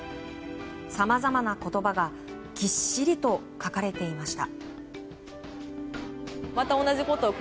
さまざまな言葉がぎっしりと書かれていました。